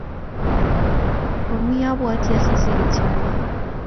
Komi abwati Asisi kityo ane